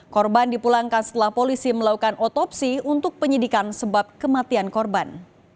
korban dipulangkan setelah polisi melakukan otopsi untuk penyidikan sebab kematian korban